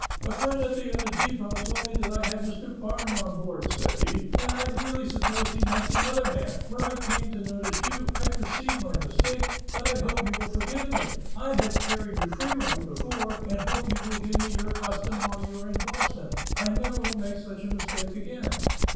"A friend at the other depot told me that I had Mr. Barnum on board," said he, "and I really supposed he meant the other man. When I come to notice you, I perceive my mistake, but I hope you will forgive me. I have carried you frequently before, and hope you will give me your custom while you are in Boston. I never will make such a mistake again."